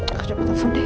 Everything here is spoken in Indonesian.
aku dapet telepon deh